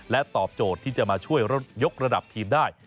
ตอบโจทย์ที่จะมาช่วยยกระดับทีมได้